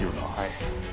はい。